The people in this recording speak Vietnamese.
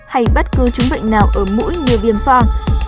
hay bất cứ chứng bệnh nào ở mũi như viêm soan